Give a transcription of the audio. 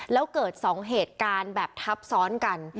แล้วเกิด๒เหตุการณ์แบบทับซ้อนกัน